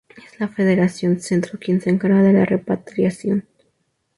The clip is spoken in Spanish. Es la Federación Centro quien se encarga de la repatriación.